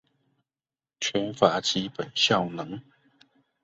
缺乏基本效能